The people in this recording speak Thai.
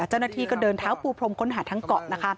เจ้าหน้าที่ก็เดินเท้าปูพรมค้นหาทั้งเกาะนะคะ